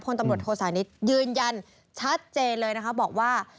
ตำรวจโทสานิทยืนยันชัดเจนเลยนะคะบอกว่า